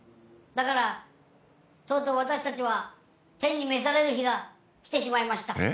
だからとうとう私たちは天に召される日が来てしまいました。